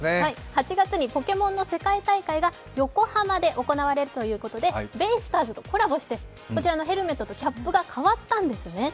８月にポケモンの世界大会が横浜で行われるということで、ベイスターズとコラボしてこちらのヘルメットとキャップが変わったんですね。